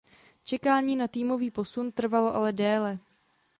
Čekání na týmový posun trvalo ale dále.